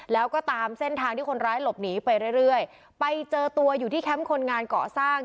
แล้วก็ตามเส้นทางที่คนร้ายหลบหนีไปเรื่อยเรื่อยไปเจอตัวอยู่ที่แคมป์คนงานเกาะสร้าง